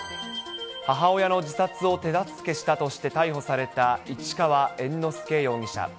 母親の自殺を手助けしたとして逮捕された市川猿之助容疑者。